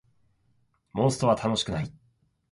モンストは楽しくない